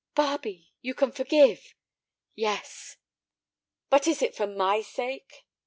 "Barbe, you can forgive!" "Yes." "But it is for my sake?"